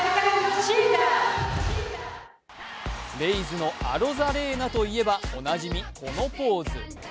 レイズのアロザレーナといえばおなじみ、このポーズ。